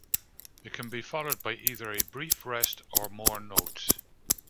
It can be followed by either a brief rest or more notes.